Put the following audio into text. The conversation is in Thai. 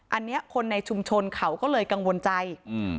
อันนี้คนในชุมชนเขาก็เลยกังวลใจอืม